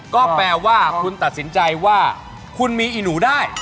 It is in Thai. ก็แปลว่าคุณตัดสินใจว่าคุณมีอีหนูได้